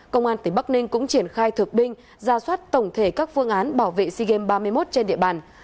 công an tỉnh bắc ninh cũng triển khai thực binh ra soát tổng thể các phương án bảo vệ sea games ba mươi một trên địa bàn